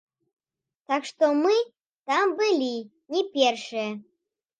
Так што мы там былі не першыя.